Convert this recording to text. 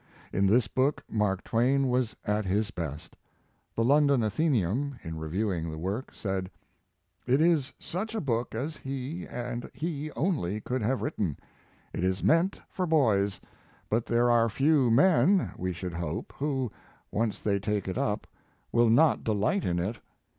In this book Mark Twain was at his best. The London Athenaum in reviewing the work, said: "It is such a book as he, and he only, could have written. It is meant for boys; but there are few men (we should hope) who, once they take it up, will not delight in it.